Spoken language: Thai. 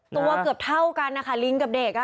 เกือบเท่ากันนะคะลิงกับเด็ก